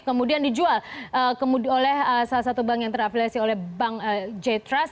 kemudian dijual oleh salah satu bank yang terafiliasi oleh bank j trust